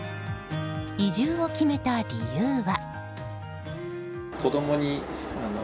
移住を決めた理由は。